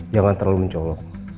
jangan terlalu mencolok